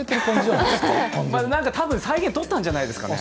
何か、多分、再現撮ったんじゃないですかね。